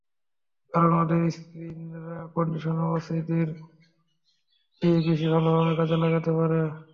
কারণ ওদের স্পিনাররা কন্ডিশনটা অসিদের চেয়ে বেশি ভালোভাবে কাজে লাগাতে পারে।